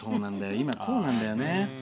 今、こうなんだよね。